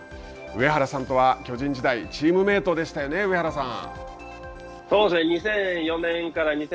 上原さんとは巨人時代、チームメートでしたよね上原さん。